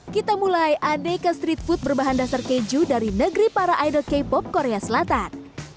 kita mulai adeka street food berbahan dasar keju dari negeri para idol k pop korea selatan